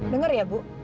dengar ya bu